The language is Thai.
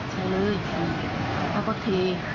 เฉยเลยเขาก็เท